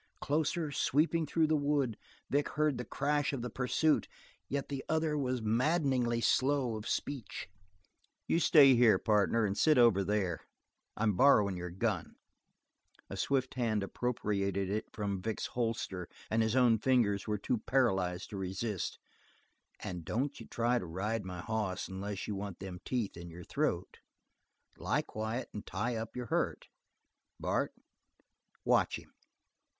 Closer, sweeping through the wood, Vic heard the crash of the pursuit, yet the other was maddeningly slow of speech. "You stay here, partner, and sit over there. I'm borrowin' your gun" a swift hand appropriated it from Vic's holster and his own fingers were too paralyzed to resist "and don't you try to ride my hoss unless you want them teeth in your throat. Lie quiet and tie up your hurt. Bart, watch him!"